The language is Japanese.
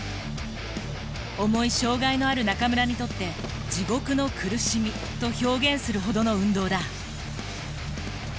重い障がいのある中村にとって地獄の苦しみと表現するほどの運動だ。